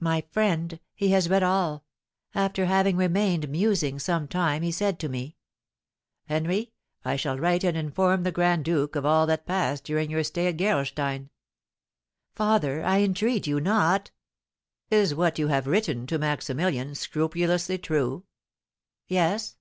My friend, he has read all! After having remained musing some time he said to me: "Henry, I shall write and inform the grand duke of all that passed during your stay at Gerolstein." "Father, I entreat you not!" "Is what you have written to Maximilian scrupulously true?" "Yes."